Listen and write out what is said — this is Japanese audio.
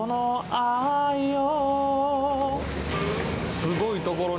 すごいところに。